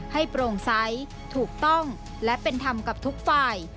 โปร่งใสถูกต้องและเป็นธรรมกับทุกฝ่าย